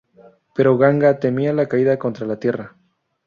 Pero Ganga temía la caída contra la Tierra.